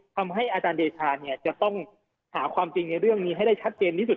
อาจารย์เดชาเนี่ยจะต้องหาความจริงในเรื่องนี้ให้ได้ชัดเจนที่สุด